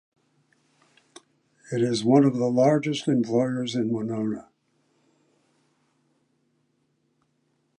It is one of the largest employers in Winona.